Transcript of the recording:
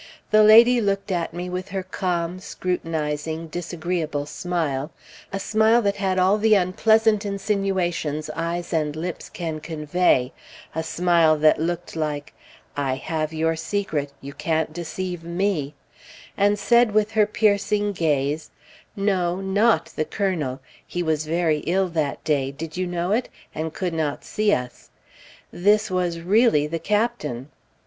The lady looked at me with her calm, scrutinizing, disagreeable smile a smile that had all the unpleasant insinuations eyes and lips can convey, a smile that looked like "I have your secret you can't deceive me" and said with her piercing gaze, "No, not the Colonel. He was very ill that day (did you know it?) and could not see us. This was really the Captain."